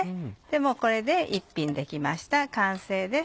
もうこれで一品出来ました完成です。